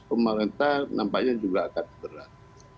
pemerintah nampaknya juga akan berat